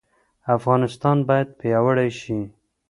افغانستان باید پیاوړی شي.